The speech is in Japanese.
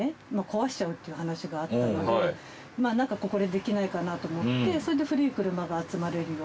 壊しちゃうっていう話があったので何かここでできないかなと思ってそれで古い車が集まれるようなカフェを。